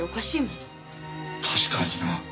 確かにな。